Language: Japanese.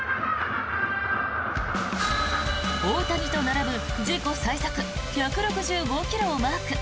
大谷と並ぶ自己最速１６５ｋｍをマーク。